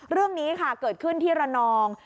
เรื่องนี้ค่ะเกิดขึ้นที่ระนอง